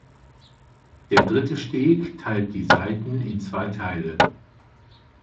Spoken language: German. Der dritte Steg teilt die Saiten in zwei Teile.